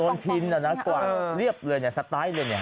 โดนทิ้นนะกว่าตัวเรียบเลยเนี่ยมาเลยเนี่ย